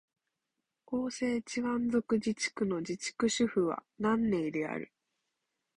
広西チワン族自治区の自治区首府は南寧である